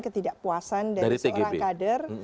ketidakpuasan dari seorang kader